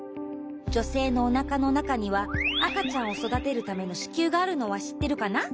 じょせいのおなかのなかにはあかちゃんをそだてるためのしきゅうがあるのはしってるかな？